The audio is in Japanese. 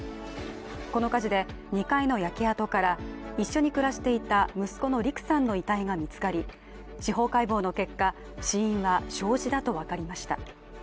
この火事で２階の焼け跡から一緒に暮らしていた息子の陸さんの遺体が見つかり司法解剖の結果、死因は焼死だと分かりました。